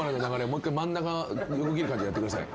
もう１回真ん中横切る感じでやってください。